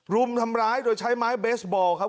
รุมทำร้ายโดยใช้ไม้เบสบอลครับ